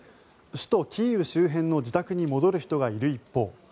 首都キーウ周辺の自宅に戻る人がいる一方